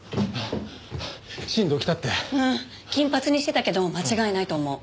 金髪にしてたけど間違いないと思う。